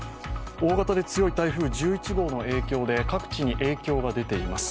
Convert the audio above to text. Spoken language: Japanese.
大型で強い台風１１号の影響で各地に影響が出ています。